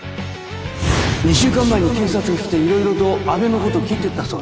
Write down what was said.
２週間前に警察が来ていろいろと阿部のこと聞いてったそうだ。